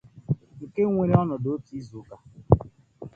nke weere ọnọdụ otu izuụka